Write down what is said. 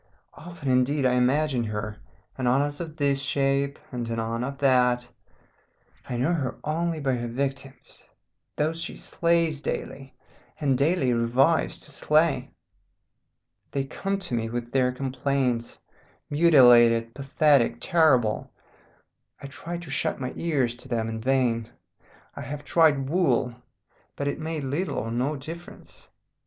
Often, indeed, I imagine her, anon as of this shape, and anon of that. I know her only by her victims, those she slays daily, and daily revives to slay. They come to me with their complaints, mutilated, pathetic, terrible. I try to shut my ears to them in vain. I have tried wool, but it made little or no difference.